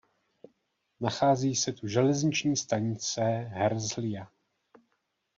Nachází se tu železniční stanice Herzlija.